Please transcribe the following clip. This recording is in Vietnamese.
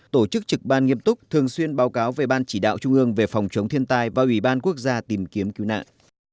tổ chức trực ban nghiêm túc thường xuyên báo cáo về ban chỉ đạo trung ương về phòng chống thiên tai và ủy ban quốc gia tìm kiếm cứu nạn